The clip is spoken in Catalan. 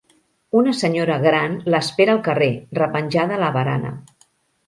Una senyora gran l'espera al carrer, repenjada a la barana.